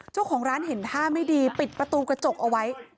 เจ้าของร้านเห็นท่าไม่ดีปิดประตูกระจกเอาไว้